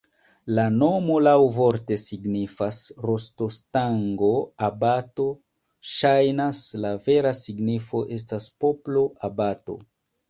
La nomo laŭvorte signifas rostostango-abato, ŝajnas, la vera signifo estas poplo-abato.